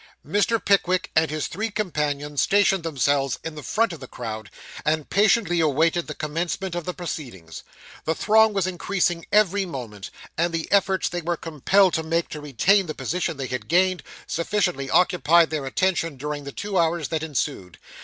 Mr. Pickwick and his three companions stationed themselves in the front of the crowd, and patiently awaited the commencement of the proceedings. The throng was increasing every moment; and the efforts they were compelled to make, to retain the position they had gained, sufficiently occupied their attention during the two hours that ensued.